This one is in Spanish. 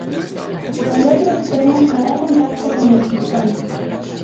El otro extremo hará contacto con el cristal.